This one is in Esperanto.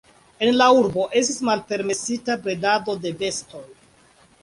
En la urbo estis malpermesita bredado de bestoj.